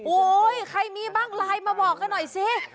ใครมีบ้างไลน์มาบอกกันหน่อยสิ